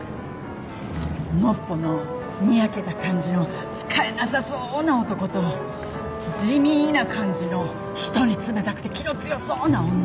のっぽのにやけた感じの使えなさそうな男と地味な感じの人に冷たくて気の強そうな女。